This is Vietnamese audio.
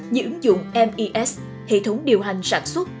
như ứng dụng mes hệ thống điều hành sản xuất